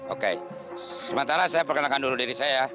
oke sementara saya perkenalkan dulu diri saya